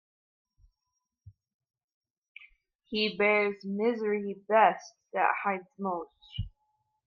He bears misery best that hides it most.